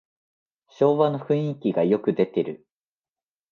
昭和の雰囲気がよく出てる